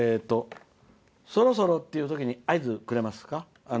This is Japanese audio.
そろそろっていうときに合図、くれますか？